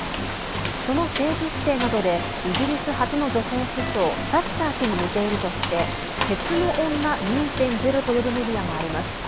その政治姿勢などでイギリス初の女性首相サッチャー氏に似ているとして鉄の女２．０と呼ぶメディアもあります。